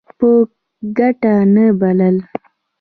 په ګټه نه بلل.